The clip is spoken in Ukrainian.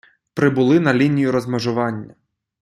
прибули на лінію розмежування